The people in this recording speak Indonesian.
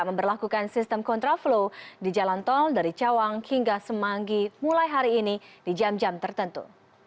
memperlakukan sistem kontraflow di jalan tol dari cawang hingga semanggi mulai hari ini di jam jam tertentu